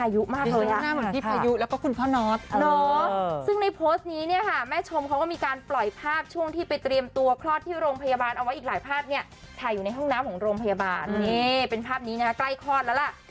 อยู่ในห้องน้ำของโรงพยาบาลนี่เป็นภาพนี้นะฮะใกล้คลอดแล้วล่ะ